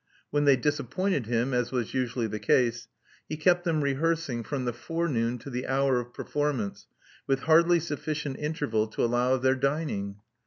When they disappointed him, as was usually the case, he kept them rehearsing from the forenoon to the hour of performance with hardly sufficient interval to allow of their dining.